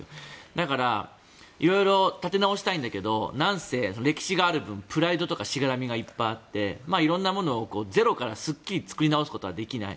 だから色々立て直したいんだけどなんせ歴史がある分プライドとかしがらみがいっぱいあって色んなものをゼロから作り直すことができない。